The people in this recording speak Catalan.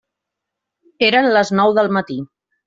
Eren les nou del matí.